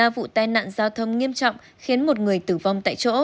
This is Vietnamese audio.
ba vụ tai nạn giao thông nghiêm trọng khiến một người tử vong tại chỗ